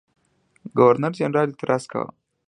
ګورنرجنرال اعتراض کاوه.